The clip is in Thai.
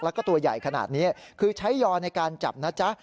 แล้วก็ตัวใหญ่ขนาดนี้คือใช้ยอในการจับนะจ๊ะ